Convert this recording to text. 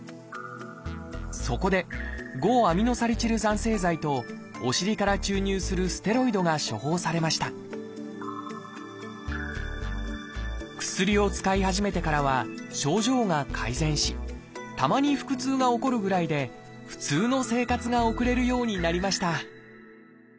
そこで５−アミノサリチル酸製剤とお尻から注入するステロイドが処方されました薬を使い始めてからは症状が改善したまに腹痛が起こるぐらいで普通の生活が送れるようになりました